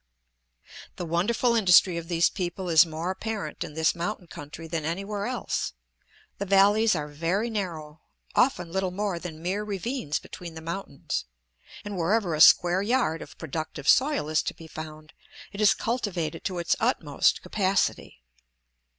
The wonderful industry of these people is more apparent in this mountain country than anywhere else. The valleys are very narrow, often little more than mere ravines between the mountains, and wherever a square yard of productive soil is to be found it is cultivated to its utmost capacity.